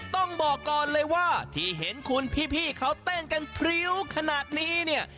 ต้องบอกก่อนเลยว่าที่เห็นคุณพี่เขาเต้นกันพริ้วขนาดนี้เนี่ย